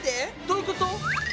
どういうこと？